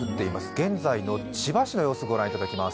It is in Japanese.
現在の千葉市の様子ご覧いただきます。